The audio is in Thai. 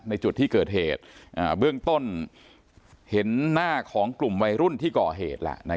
ในจุดที่เกิดเหตุเบื้องต้นเห็นหน้าของกลุ่มวัยรุ่นที่ก่อเหตุแล้ว